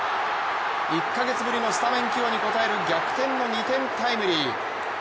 １か月ぶりのスタメン起用に応える逆転の２点タイムリー。